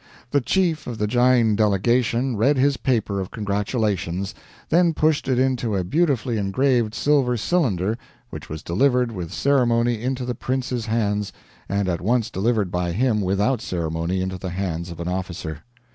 The chief of the Jain delegation read his paper of congratulations, then pushed it into a beautifully engraved silver cylinder, which was delivered with ceremony into the prince's hands and at once delivered by him without ceremony into the hands of an officer.